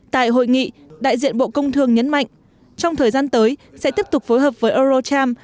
tại hội nghị đại diện bộ công thương nhấn mạnh trong thời gian tới sẽ tiếp tục phối hợp với eurocharm